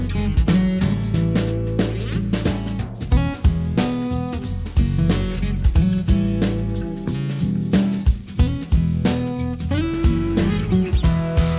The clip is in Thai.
สวัสดีค่ะ